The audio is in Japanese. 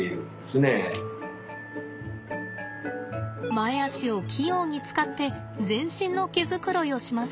前足を器用に使って全身の毛づくろいをします。